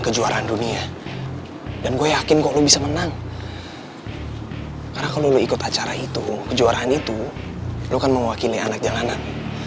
karena kalau lo ikut acara itu kejuaraan itu lo kan mengwakili anak jalanan